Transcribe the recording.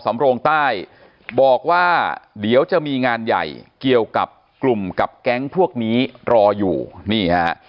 สำโรงใต้บอกว่าเดี๋ยวจะมีงานใหญ่เกี่ยวกับกลุ่มกับแก๊งพวกนี้รออยู่นี่ฮะ